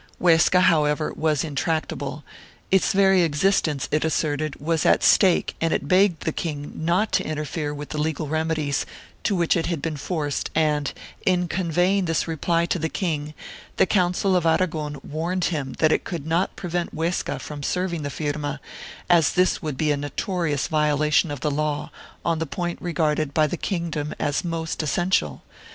Huesca, however, was intract able: its very existence, it asserted, was at stake and it begged the king not to interfere with the legal remedies to which it had been forced and, in conveying this reply to the king, the Council of Aragon warned him that it could not prevent Huesca from serving the firma, as this would be a notorious violation of the law on the point regarded by the kingdom as most essential.